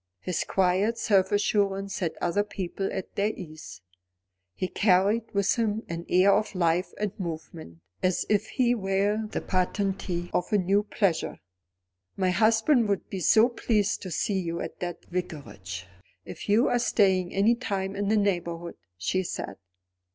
His quiet self assurance set other people at their ease. He carried with him an air of life and movement, as if he were the patentee of a new pleasure. "My husband would be so pleased to see you at the Vicarage, if you are staying any time in the neighbourhood," she said.